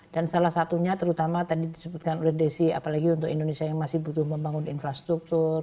dan salah satunya terutama tadi disebutkan oleh desy apalagi untuk indonesia yang masih butuh membangun infrastruktur